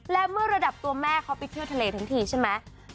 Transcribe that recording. และเมื่อระดับตัวแม่เขาไปเที่ยวทะเลทั้งทีใช่ไหม